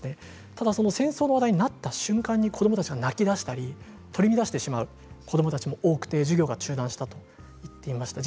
ただ、その戦争の話題になった瞬間に子どもたちは泣きだしたり取り乱してしまう子どもたちも多くて授業が中断したと言っていました。